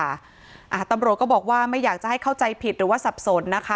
อ่าตำรวจก็บอกว่าไม่อยากจะให้เข้าใจผิดหรือว่าสับสนนะคะ